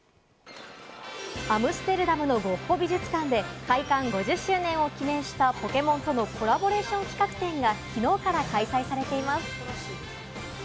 アムステルダムのゴッホ美術館で、開館５０周年を記念した『ポケモン』とのコラボレーション企画展がきのうから開催されています。